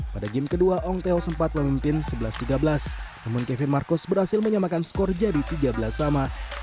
pada game kedua ong theo sempat memimpin sebelas tiga belas namun kevin marcus berhasil menyamakan skor jadi tiga belas sama